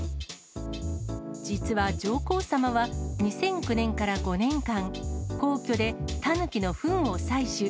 実は上皇さまは、２００９年から５年間、皇居でタヌキのふんを採取。